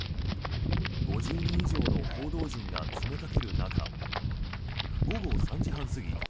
５０人以上の報道陣が詰めかける中午後３時半過ぎ